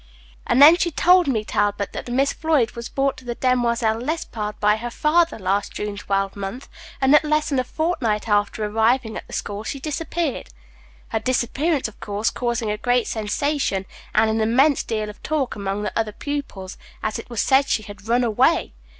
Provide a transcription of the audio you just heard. And then she told me, Talbot, that a Miss Floyd was brought to the Demoiselles Lespard by her father last June twelvemonth, and that less than a fortnight after arriving at the school she disappeared; her disappearance, of course, causing a great sensation and an immense deal of talk among the other pupils, as it was said she had run away.